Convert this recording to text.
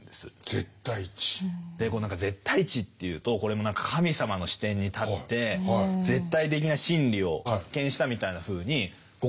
絶対知というとこれも何か神様の視点に立って絶対的な真理を発見したみたいなふうに誤解されちゃう。